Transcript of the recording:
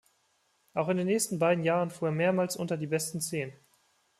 Auch in den nächsten beiden Jahren fuhr er mehrmals unter die besten zehn.